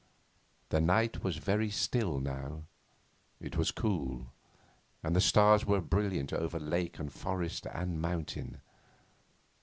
The night was very still now. It was cool, and the stars were brilliant over lake and forest and mountain.